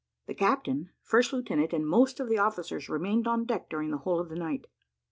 The captain, first lieutenant, and most of the officers, remained on deck during the whole of the night.